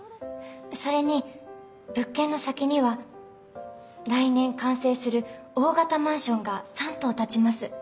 それに物件の先には来年完成する大型マンションが３棟建ちます。